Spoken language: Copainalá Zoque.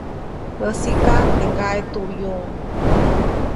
Jäsiʼka, teʼ ŋgaʼe tuʼyuʼuŋ.